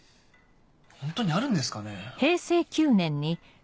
ホントにあるんですかね？